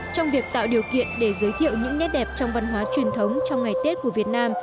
trong việc tạo điều kiện để giới thiệu những nét đẹp trong văn hóa truyền thống trong ngày tết của việt nam